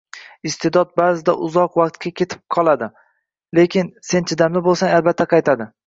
Isteʼdod baʼzida uzoq vaqtga ketib qoladi, lekin sen chidamli boʻlsang, albatta qaytadi